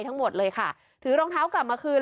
ทั้งหมดเลยค่ะถือรองเท้ากลับมาคืน